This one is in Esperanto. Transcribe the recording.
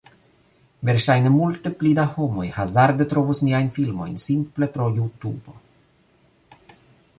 Verŝajne multe pli da homoj hazarde trovus miajn filmojn simple pro JuTubo